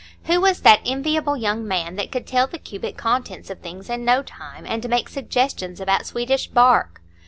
Who was that enviable young man that could tell the cubic contents of things in no time, and make suggestions about Swedish bark!